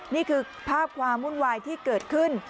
นี่คือภาพความวุ่นวายที่เกิดขึ้น